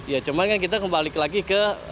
ya cuman kan kita kembali lagi ke